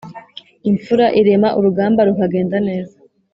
Impfura irema urugamba rukagenda neza